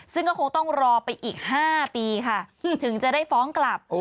ซึ่งก็คงต้องรอไปอีก๕ปีค่ะถึงจะได้ฟ้องกลับ